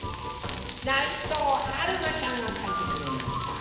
ないとうはるまちゃんがかいてくれました。